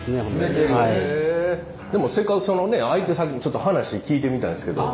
でもせっかくそのね相手先にちょっと話聞いてみたいんですけど。